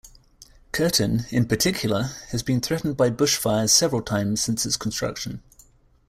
Curtin, in particular, has been threatened by bushfires several times since its construction.